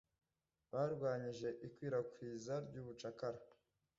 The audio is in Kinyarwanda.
Barwanyije ikwirakwizwa ry’ubucakara.